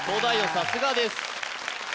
さすがです